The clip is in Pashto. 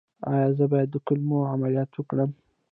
ایا زه باید د کولمو عملیات وکړم؟